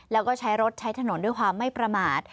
แล้วก็ใช้รถใช้ถนนด้วยความไม่ประมาท